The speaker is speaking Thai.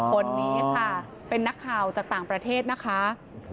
คนนี้ค่ะเป็นนักข่าวจากต่างประเทศนะคะ